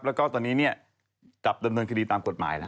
แล้วก็ตอนนี้เนี่ยจับดำเนินคดีตามกฎหมายแล้ว